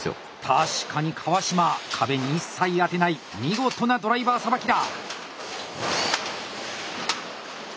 たしかに川島壁に一切当てない見事なドライバーさばきだ！